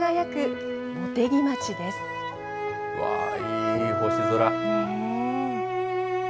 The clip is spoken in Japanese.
うわー、いい星空。